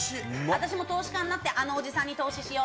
私も投資家になって、あのおじさんに投資しよう。